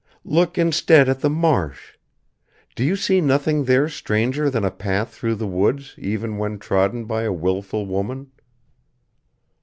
"Look instead at the marsh. Do you see nothing there stranger than a path through the woods even when trodden by a wilful woman?"